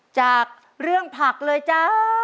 จากเรื่องผักเลยจ้า